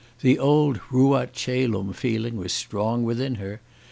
The old 'ruat coelum' feeling was strong within her.